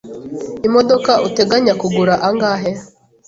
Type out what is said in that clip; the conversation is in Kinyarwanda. Imodoka uteganya kugura angahe?